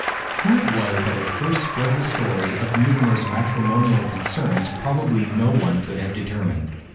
Who it was that had first spread the story of Mutimer's matrimonial concerns probably no one could have determined.